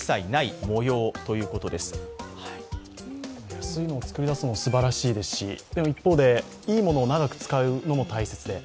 安いものを作り出すのもすばらしいですし、でも一方で、いいものを長く使うのも大切で。